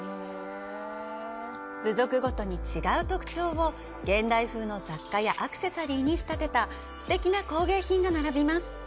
部族ごとに違う特徴を現代風の雑貨やアクセサリーに仕立てたすてきな工芸品が並びます。